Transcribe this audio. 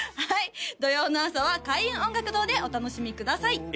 はい土曜の朝は開運音楽堂でお楽しみください